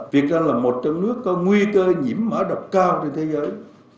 việt nam là một trong nước có nguy cơ nhiễm mã độc cao trên thế giới